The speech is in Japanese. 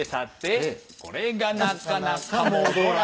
「これがなかなか戻らない」ハハハハ！